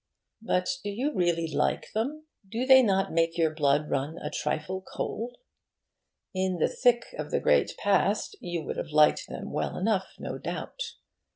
But do you really like them? Do they not make your blood run a trifle cold? In the thick of the great past, you would have liked them well enough, no doubt.